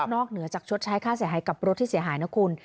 เหนือจากชดใช้ค่าเสียหายกับรถที่เสียหายนะคุณ